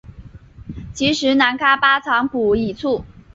其时喃迦巴藏卜已卒。